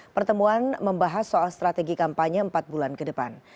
pertemuan membahas soal strategi kampanye empat bulan ke depan